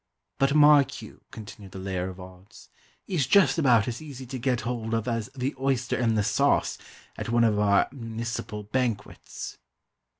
"But mark you," continued the layer of odds, "he's just about as easy to get hold of as the oyster in the sauce, at one of our moonicipal banquets!"